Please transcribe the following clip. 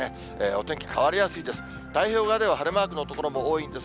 お天気変わりやすいです。